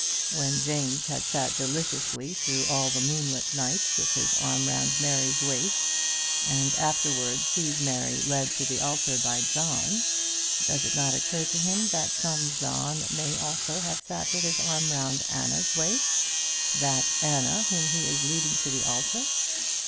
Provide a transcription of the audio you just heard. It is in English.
When James has sat deliciously through all the moonlit night with his arm round Mary's waist, and afterwards sees Mary led to the altar by John, does it not occur to him that some John may have also sat with his arm round Anna's waist, that Anna whom he is leading to the altar?